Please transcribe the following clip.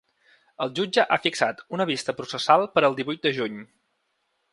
El jutge ha fixat una vista processal per al divuit de juny.